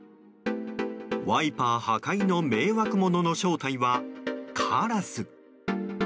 ワイパー破壊の迷惑ものの正体はカラス。